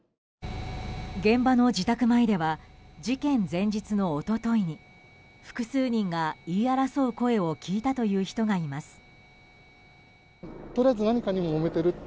現場の自宅前では事件前日の一昨日に複数人が言い争う声を聞いたという人がいます。